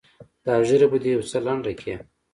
دا ږيره به دې يو څه لنډه کې.